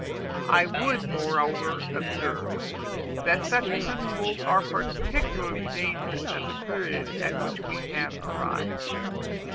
I would moreover observe, that such principles are peculiarly dangerous at the period at which we are arrived.